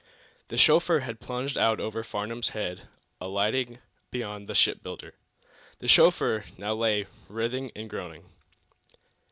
The chauffeur had plunged out over Farnum's head, alighting beyond the shipbuilder. The chauffeur now lay writhing and groaning.